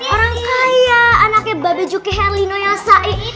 orang kaya anaknya babay jukih herlino yasai